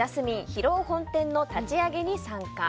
広尾本店の立ち上げに参加。